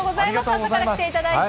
朝から来ていただいて。